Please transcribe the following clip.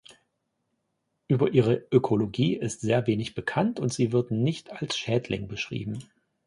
Über ihre Ökologie ist sehr wenig bekannt und sie wird nicht als Schädling beschrieben.